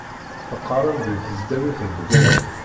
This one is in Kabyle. Teqqaṛem di tesdawit n Bgayet.